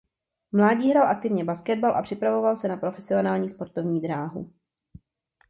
V mládí hrál aktivně basketbal a připravoval se na profesionální sportovní dráhu.